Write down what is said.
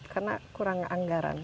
karena kurang anggaran